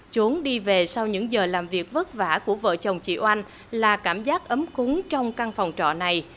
trốn đi về sau những giờ làm việc vất vả của vợ chồng chị oanh là cảm giác ấm cúng trong căn phòng trọ này